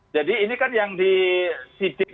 jadi ini kan yang disidik